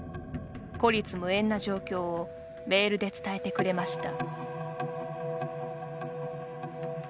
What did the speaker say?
孤立無援な状況をメールで伝えてくれました。